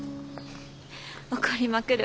怒りまくる